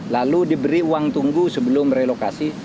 lalu diberi uang tunggu sebelum relokasi